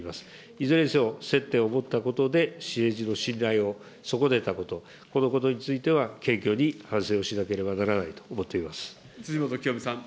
いずれにせよ、接点を持ったことで、政治の信頼を損ねたこと、このことについては謙虚に反省をしなけ辻元清美さん。